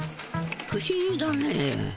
不思議だね。